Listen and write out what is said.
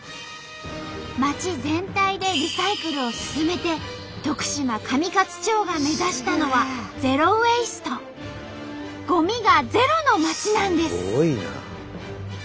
町全体でリサイクルを進めて徳島上勝町が目指したのは「ゼロ・ウェイスト」ゴミがゼロの町なんです。